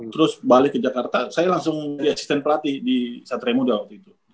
terus balik ke jakarta saya langsung jadi asisten pelatih di satria muda waktu itu